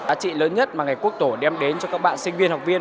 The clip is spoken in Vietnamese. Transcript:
giá trị lớn nhất mà ngày quốc tổ đem đến cho các bạn sinh viên học viên